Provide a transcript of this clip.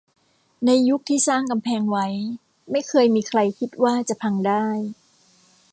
ในยุคที่สร้างกำแพงไว้ ไม่เคยมีใครคิดว่าจะพังได้